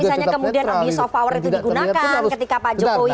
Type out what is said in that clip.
tapi kalau misalnya kemudian abis of power itu digunakan ketika pak jokowi